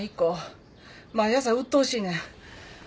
毎朝うっとうしいねん。